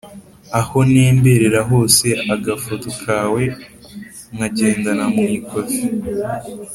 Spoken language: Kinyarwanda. aho ntemberera hose, agafoto kawe nkagendana mu ikofi